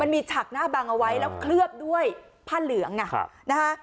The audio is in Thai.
มีฉากหน้าบังเอาไว้แล้วเคลือบด้วยผ้าเหลืองนะคะ